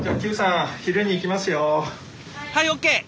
はいＯＫ！